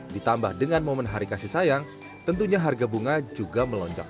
ditambah dengan momen hari kasih sayang tentunya harga bunga juga melonjak